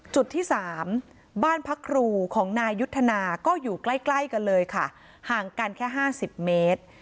จุดที่๓บ้านพักครูของนายยุทธนาก็อยู่ใกล้กันเลยค่ะห่างกันแค่๕๐เมตร